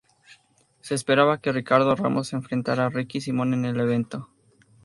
Se esperaba que Ricardo Ramos se enfrentara a Ricky Simon en el evento.